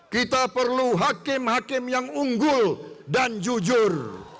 kita perlu hakim hakim yang unggul dan jujur